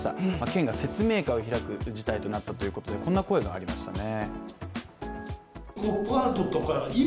県が説明会を開く事態になったということでこんな声がありましたね。